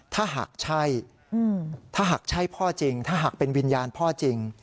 ถ้าหากใช่พ่อจริงถ้าหากเป็นวิญญาณพ่อจริง